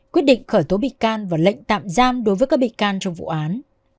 quyết định khởi tố bị can và lệnh tạm giam đối với các bị can trong vụ án